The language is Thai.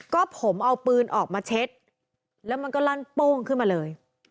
ก็ผมเอาปืนออกมาเช็ดแล้วมันก็ลั่นโป้งขึ้นมาเลย